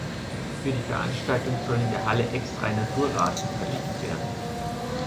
Für die Veranstaltung soll in der Halle extra ein Naturrasen verlegt werden.